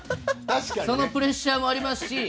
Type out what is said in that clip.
そのプレッシャーもありますし。